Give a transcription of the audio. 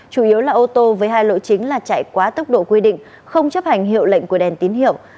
chủ yếu là ô tô với hai lỗi chính là chạy quá tốc độ quy định không chấp hành hiệu lệnh của đèn tín hiệu